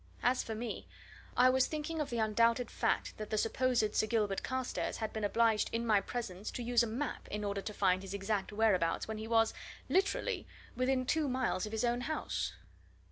As for me, I was thinking of the undoubted fact that the supposed Sir Gilbert Carstairs had been obliged in my presence to use a map in order to find his exact whereabouts when he was, literally, within two miles of his own house.